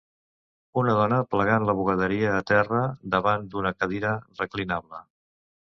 una dona plegant la bugaderia a terra davant d'una cadira reclinable.